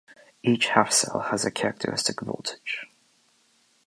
Each half-cell has a characteristic voltage.